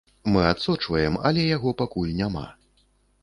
Мы адсочваем, але яго пакуль няма.